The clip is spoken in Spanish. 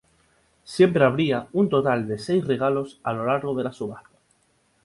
Siempre habría un total de seis regalos a lo largo de la subasta.